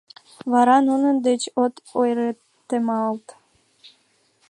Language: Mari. — Вара нунын деч от ойыртемалт.